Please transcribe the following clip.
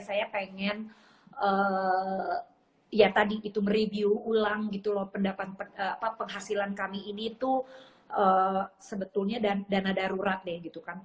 saya pengen ya tadi gitu mereview ulang gitu loh pendapat penghasilan kami ini tuh sebetulnya dana darurat deh gitu kan